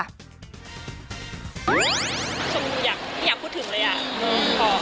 ชมอยากพูดถึงเลย